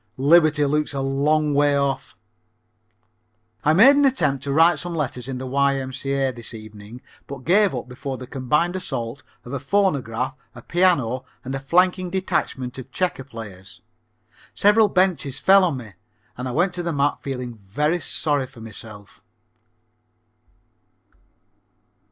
Liberty looks a long way off. I made an attempt to write some letters in the Y.M.C.A. this evening but gave up before the combined assault of a phonograph, a piano, and a flanking detachment of checker players. Several benches fell on me and I went to the mat feeling very sorry for myself.